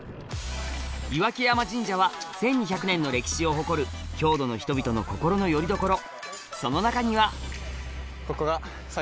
岩木山神社は１２００年の歴史を誇る郷土の人々の心のよりどころその中にはここが。